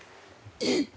えっ！